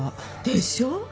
でしょ？